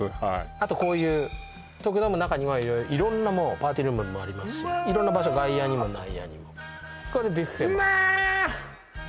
あとこういう東京ドームの中には色んなパーティールームもありますし色んな場所外野にも内野にもビュッフェもあってま！